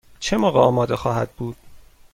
چه موقع آماده خواهد بود؟